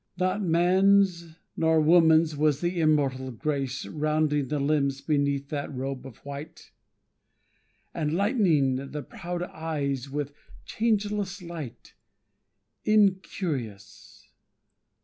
Not man's nor woman's was the immortal grace Rounding the limbs beneath that robe of white, And lighting the proud eyes with changeless light, Incurious.